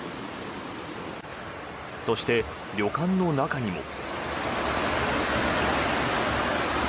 そして、旅館の中にも。